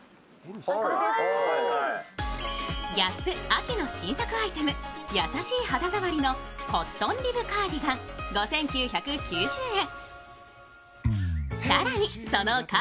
ＧＡＰ秋の新作アイテム、優しい肌触りのコットンリブカーディガン５９９０円。